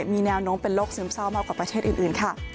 มีแนวโน้มเป็นโรคซึมเศร้ามากกว่าประเทศอื่นค่ะ